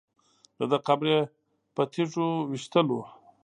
دده قبر یې په تیږو ویشتلو.